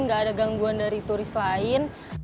nggak ada gangguan dari turis lain